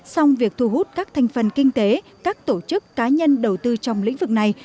song việc thu hút các thành phần kinh tế các tổ chức cá nhân đầu tư trong lĩnh vực này